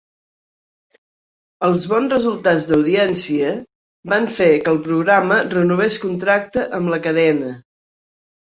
Els bons resultats d'audiència van fer que el programa renovés contracte amb la cadena.